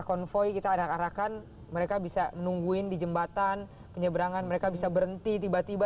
konvoy kita arak arakan mereka bisa menungguin di jembatan penyeberangan mereka bisa berhenti tiba tiba